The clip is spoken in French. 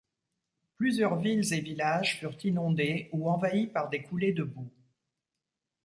Plusieurs villes et villages furent inondés ou envahis par des coulées de boue.